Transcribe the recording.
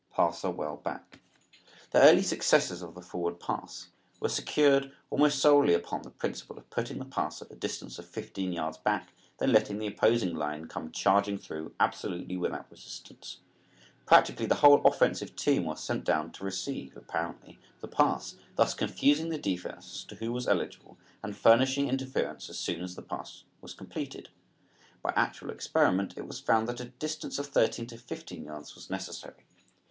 PASSER WELL BACK. The early successes of the forward pass were secured almost solely upon the principle of putting the passer a distance of fifteen yards back, then letting the opposing line come charging through absolutely without resistance. Practically the whole offensive team was sent down to receive (apparently) the pass, thus confusing the defense as to who was eligible and furnishing interference as soon as the pass was completed. By actual experiment it was found that a distance of thirteen to fifteen yards was necessary.